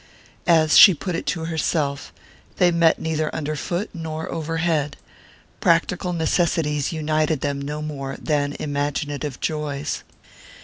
As she put it to herself, they met neither underfoot nor overhead: practical necessities united them no more than imaginative joys.